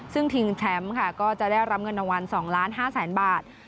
ซึ่งทิ้งแท้มก็จะได้รับเงินอวัล๒๕๐๐๐๐๐บาท